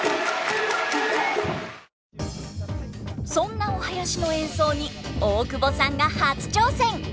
そんなお囃子の演奏に大久保さんが初挑戦！